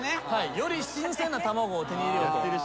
より新鮮な卵を手に入れようと。